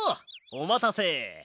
おまたせ！